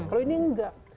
kalau ini enggak